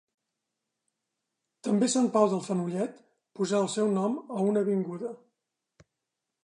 També Sant Pau del Fenollet posà el seu nom a una avinguda.